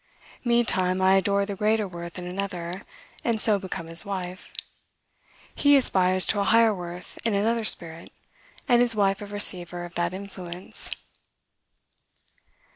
Meantime, I adore the greater worth in another, and so become his wife. He aspires to a higher worth in another spirit, and is wife of receiver of that influence.